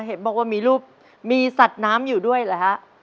เห็นบอกว่ามีรูปมีสัตว์น้ำอยู่ด้วยเหรอฮะ